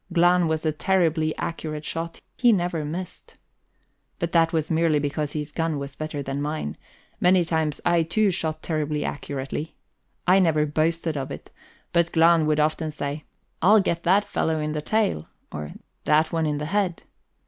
Glahn was a terribly accurate shot; he never missed. But that was merely because his gun was better than mine; many times I too shot terribly accurately. I never boasted of it, but Glahn would often say: "I'll get that fellow in the tail," or "that one in the head."